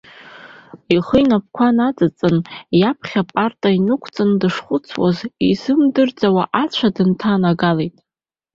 Ихы инапқәа наҵеиҵан, иаԥхьа апарта инықәҵаны дышхәыцуаз, изымдырӡауа ацәа дынҭанагалеит.